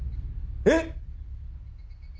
えっ！